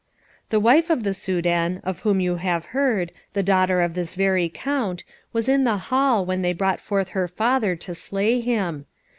The wife of the Soudan, of whom you have heard, the daughter of this very Count, was in the hall, when they brought forth her father to slay him.